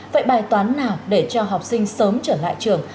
vậy bài toán nào để cho học sinh sớm trở lại trường